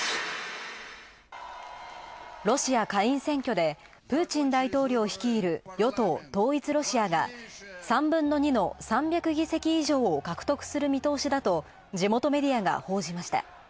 ロシア下院選挙でプーチン大統領率いる、与党、統一ロシアが３分の２の３００議席以上を獲得する見通しだと地元メディアが報じました。